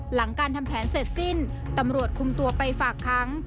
หลังการทำแผนเสร็จสิ้นตำรวจคุมตัวไปฝากค้าง